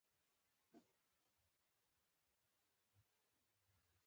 اصلي ستونزه هم نه حلېږي.